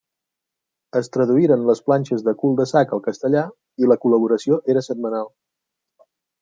Es traduïren les planxes de Cul de sac al castellà i la col·laboració era setmanal.